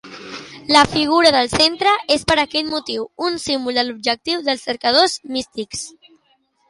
La figura del centre és, per aquest motiu, un símbol de l'objectiu dels cercadors místics.